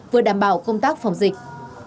vừa đảm bảo công tác phòng dịch